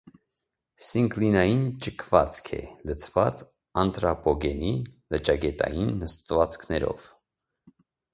Սինկլինային ճկվածք է՝ լցված անտրապոգենի լճագետային նսավածքներով։